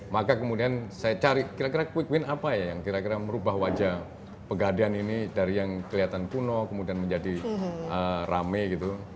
maka kemudian saya cari kira kira quick win apa ya yang kira kira merubah wajah pegadian ini dari yang kelihatan kuno kemudian menjadi rame gitu